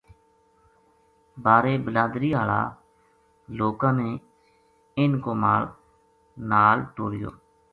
بارے بلادری ہالا لوکاں نے انھ کو مال نال ٹوریو